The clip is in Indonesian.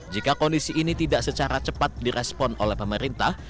jika kondisi ini tidak secara cepat direspon oleh pemerintah